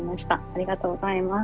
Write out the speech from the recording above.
ありがとうございます。